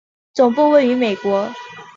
总部位于美国。